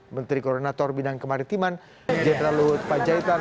menteri koordinator bidang kemaritiman jenderal lut panjaitan